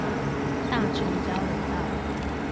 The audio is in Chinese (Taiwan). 大城交流道